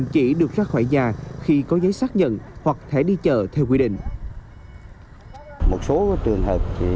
chỉ được ra khỏi nhà khi có giấy xác nhận hoặc thể đi chờ theo quy định